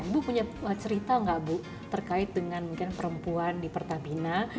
bu punya cerita nggak bu terkait dengan mungkin perempuan di pertamina